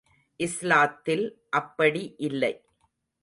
இஸ்லாத்தில் அப்படி இல்லை.